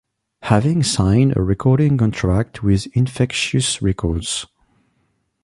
Having signed a recording contract with Infectious Records.